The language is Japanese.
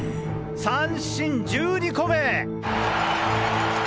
三振１２個目！